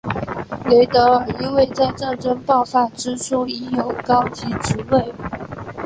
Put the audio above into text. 雷德尔因为在战争爆发之初已有高级职位。